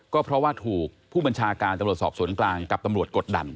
ก็เพราะว่าถูกผู้บัญชาการตำรวจสอบสวนกลางกับตำรวจกดดัน